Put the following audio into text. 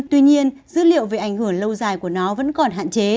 tuy nhiên dữ liệu về ảnh hưởng lâu dài của nó vẫn còn hạn chế